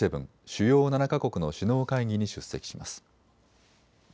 主要７か国の首脳会議に出席します。